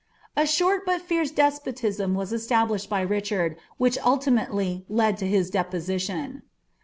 A short but fierce despotion was esofr lished by Richard, which ultimately led to his deposition.